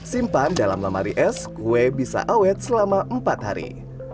simpan dalam lemari es kue bisa awet selama empat hari